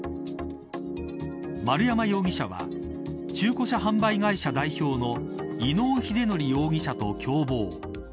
丸山容疑者は中古車販売会社代表の伊能英徳容疑者と共謀。